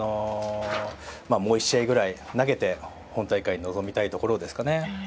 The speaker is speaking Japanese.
もう１試合ぐらい投げて本大会に臨みたいところですね。